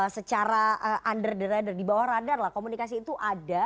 secara under the rider di bawah radar lah komunikasi itu ada